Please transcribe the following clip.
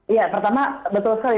iya pertama betul sekali